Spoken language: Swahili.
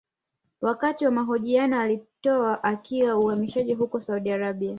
Wakati wa mahojiano aliyotoa akiwa uhamishoni huko Saudi Arabia